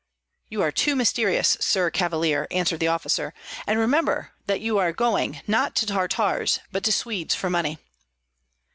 "You are too mysterious. Sir Cavalier," answered the officer, "and remember that you are going, not to Tartars, but to Swedes for money."